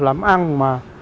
làm ăn mà